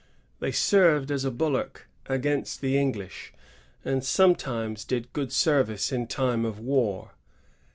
They served as a bulwark against the English, and sometimes did good service in time of war.